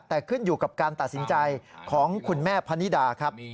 แต่ขึ้นอยู่กับการตัดสินใจของคุณแม่พนิดาครับ